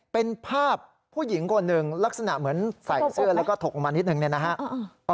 เป็นภาพผู้หญิงคนหนึ่งลักษณะเหมือนใส่เสื้อแล้วก็ถกลงมานิดนึงเนี่ยนะฮะ